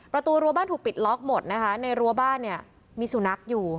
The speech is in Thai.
ประตูรัวบ้านถูกปิดล็อกหมดนะคะในรั้วบ้านเนี่ยมีสุนัขอยู่